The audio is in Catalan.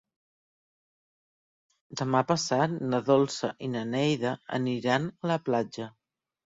Demà passat na Dolça i na Neida aniran a la platja.